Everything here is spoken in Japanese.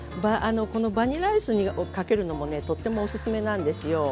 このバニラアイスにかけるのもねとってもおすすめなんですよ。